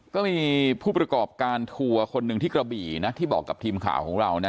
ก็มีผู้ประกอบการทัวร์คนหนึ่งที่กระบี่นะที่บอกกับทีมข่าวของเรานะ